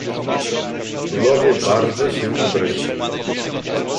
"Królowie bardzo się obrazili."